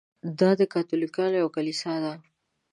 دا د کاتولیکانو یوه کلیسا ده.